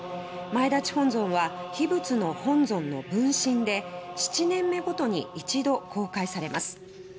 前立本尊は秘仏の本尊の分身で７年目ごとに一度公開されます。